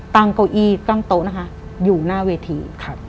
เก้าอี้ตั้งโต๊ะนะคะอยู่หน้าเวที